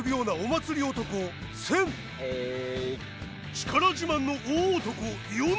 力自慢の大男ヨネ。